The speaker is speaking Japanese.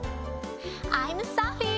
アイムサフィー。